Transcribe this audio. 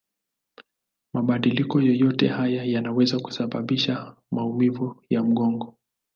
Mabadiliko yoyote haya yanaweza kusababisha maumivu ya mgongo.